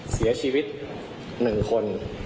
เสียชีวิต๑คน